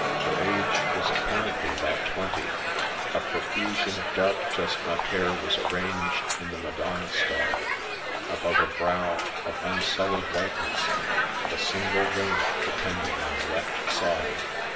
Her age was apparently about twenty. A profusion of dark chestnut hair was arranged in the Madonna style, above a brow of unsullied whiteness, a single ringlet depending on the left side.